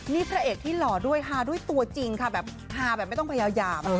นี่พระเอกที่หล่อด้วยฮาด้วยตัวจริงค่ะแบบฮาแบบไม่ต้องพยายาม